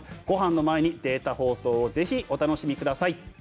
ごはんの前にデータ放送をぜひ楽しんでください。